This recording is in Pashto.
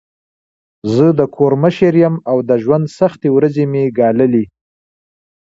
زه د کور مشر یم او د ژوند سختې ورځي مې ګاللي.